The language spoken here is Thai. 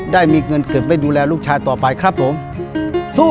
ได้มีเงินเก็บไว้ดูแลลูกชายต่อไปครับผมสู้